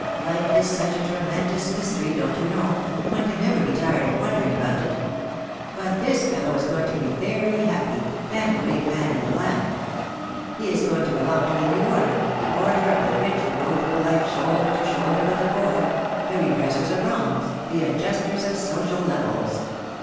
Life is such a tremendous mystery, don't you know — one can never be tired of wondering about it. But this fellow is going to be very happy, and a great man in the land. He is going to belong to the new order, the order of the rich who go through life shoulder to shoulder with the poor; the redressers of wrongs, the adjusters of social levels."